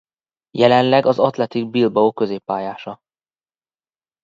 Jelenleg az Athletic Bilbao középpályása.